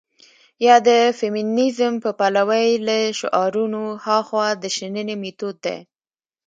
يا د فيمنيزم په پلوۍ له شعارونو هاخوا د شننې مېتود دى.